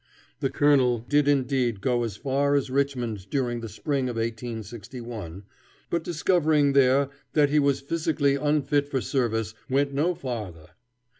The colonel did indeed go as far as Richmond, during the spring of 1861, but discovering there that he was physically unfit for service, went no farther.